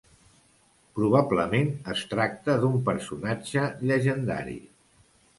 Probablement, es tracta d'un personatge llegendari.